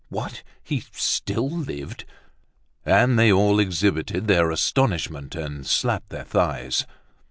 What! He still lived! And they all exhibited their astonishment, and slapped their thighs.